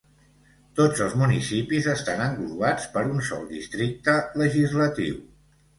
Tots els municipis estan englobats per un sol districte legislatiu.